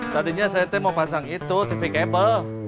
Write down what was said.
tadinya saya mau pasang itu tv cable